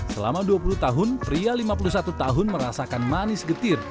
selama dua puluh tahun pria lima puluh satu tahun merasakan manis getir